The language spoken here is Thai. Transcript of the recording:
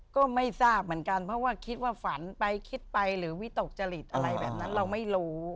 ก็ไม่ทราบเหมือนกันเพราะว่าคิดว่าฝันไปคิดไปหรือวิตกจริตอะไรแบบนั้นเราไม่รู้